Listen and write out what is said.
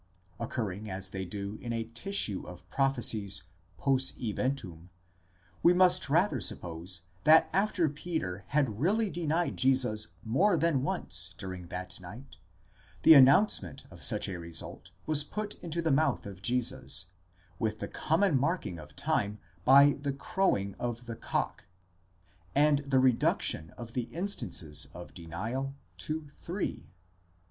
Occurring as they do in a tissue of prophecies fost eventum, we must rather suppose that after Peter had really denied Jesus more than once during that night, the announcement of such a result was put into the mouth of Jesus, with the common marking of time by the crowing of the cock," and the reduction of the instances of denial to three.